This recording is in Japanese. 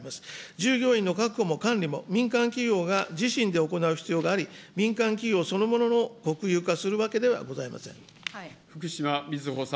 従業員の確保も管理も民間企業が自身で行う必要があり、民間企業そのものを国有化するわけではご福島みずほさん。